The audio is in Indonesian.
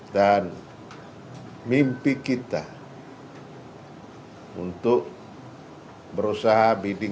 dan mimpi kita untuk berusaha bidding